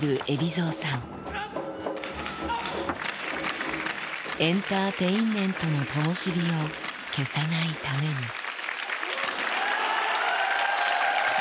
エンターテインメントのともし火を消さないために。